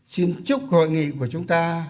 xin chúc hội nghị của chúng ta